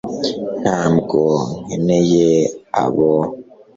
ntabwo nkeneye abo